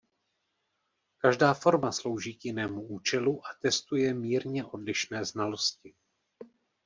Každá forma slouží k jinému účelu a testuje mírně odlišné znalosti.